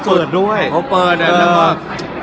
เป็นโชว์เปิดด้วย